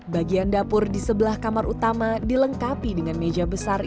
bagian dapur di sebelah kamar utama dilengkapi dengan meja besar